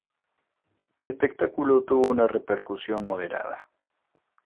El espectáculo tuvo una repercusión moderada.